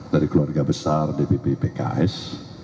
dari keluarga besar dpp pks